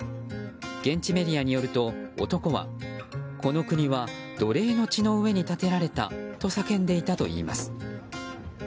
現地メディアによると、男はこの国は奴隷の血の上に建てられたと叫んでいたといいます。